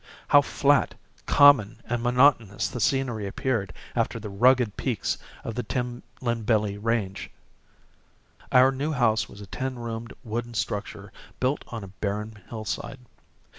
How flat, common, and monotonous the scenery appeared after the rugged peaks of the Timlinbilly Range! Our new house was a ten roomed wooden structure, built on a barren hillside.